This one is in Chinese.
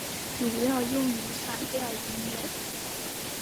主要用于散调音乐。